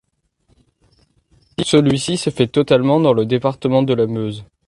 Celui-ci se fait totalement dans le département de la Meuse.